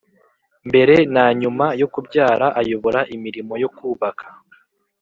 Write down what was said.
mbere na nyuma yo kubyara Ayobora imirimo yo kubaka